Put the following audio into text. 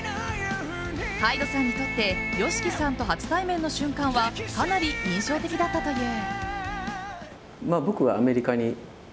ＨＹＤＥさんにとってＹＯＳＨＩＫＩさんと初対面の瞬間はかなり印象的だったという。